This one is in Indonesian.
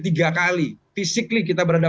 tiga kali fisikly kita berada